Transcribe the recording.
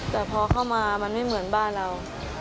แต่พอเข้ามามันไม่เหมือนบ้านเรา